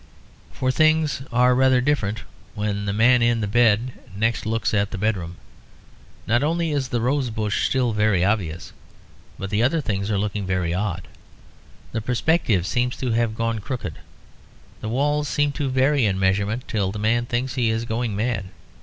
For things are rather different when the man in the bed next looks at the bedroom. Not only is the rose bush still very obvious; but the other things are looking very odd. The perspective seems to have gone crooked; the walls seem to vary in measurement till the man thinks he is going mad.